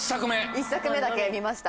１作目だけ見ました。